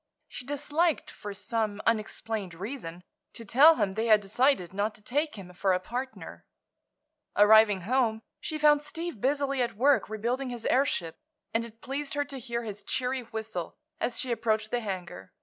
She disliked, for some unexplained reason, to tell him they had decided not to take him for a partner. Arriving home she found Steve busily at work rebuilding his airship, and it pleased her to hear his cheery whistle as she approached the hangar.